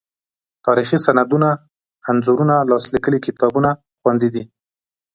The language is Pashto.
تاریخي سندونه، انځوریز لاس لیکلي کتابونه خوندي دي.